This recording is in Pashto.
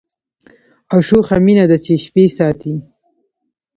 او شوخه مینه ده چي شپې ساتي